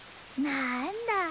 なんだ。